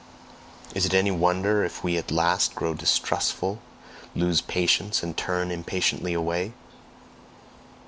Is it any wonder if we at last grow distrustful, lose patience, and turn impatiently away?